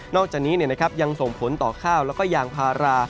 อกจากนี้ยังส่งผลต่อข้าวแล้วก็ยางพารา